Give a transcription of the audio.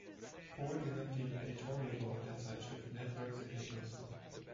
Pohl gehört dem "Editorial Board" der Zeitschrift "Networks and Neighbours" an.